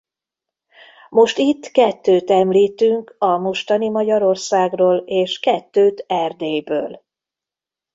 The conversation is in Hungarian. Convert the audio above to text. Most itt kettőt említünk a mostani Magyarországról és kettőt Erdélyből.